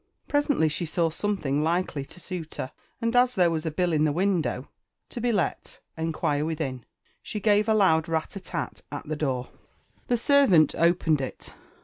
Presently, she saw something likely to suit her, and as there was a bill in the window, "To be let Enquire Within," she gave a loud rat a tat tat at the door. The servant opened it.